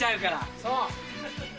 そう。